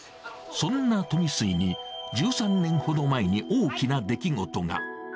そんな富水に、１３年ほど前に大きな出来事が。